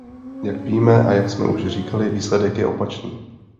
Jak víme a jak jsme už říkali, výsledek je opačný.